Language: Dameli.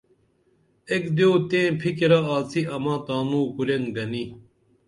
ایک دیو تئیں فِکِرہ آڅی اماں تانوں کُرِن گنی